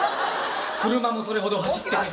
車もそれほど走ってねえ。